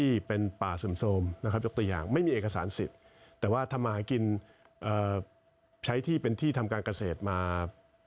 บนที่ที่เป็นป่าสมสมนะครับยกตัวอย่างไม่มีเอกสารสิทธิ์แต่ว่าทำมากินใช้ที่เป็นที่ทำการเกษตรมาหลายสิบปีแล้วนะครับ